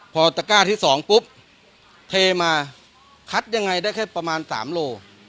พอตะก้าที่๒ปุ๊บเทมาคัดยังไงได้แค่ประมาณ๓โล